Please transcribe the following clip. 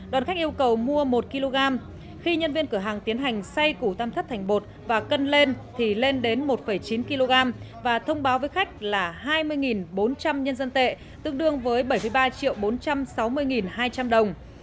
đoàn khách yêu cầu mua một kg khi nhân viên cửa hàng tiến hành say củ tam thất thành bột và cân lên thì lên đến một chín kg và thông báo với khách là hai mươi bốn trăm linh nhân dân tệ tương đương với bảy mươi ba bốn trăm sáu mươi hai trăm linh đồng